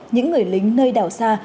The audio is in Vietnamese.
những người lính nơi đảo xa